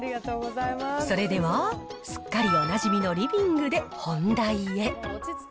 それでは、すっかりおなじみのリビングで本題へ。